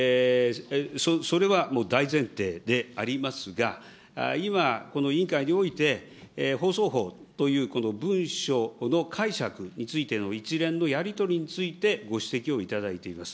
それはもう大前提でありますが、今、この委員会において放送法というこの文書の解釈についての一連のやり取りについてご指摘を頂いています。